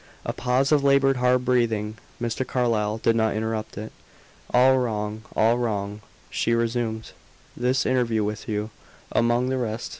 A pause of labored hard breathing. Mr. Carlyle did not interrupt it. "All wrong, all wrong," she resumed; "this interview with you, among the rest.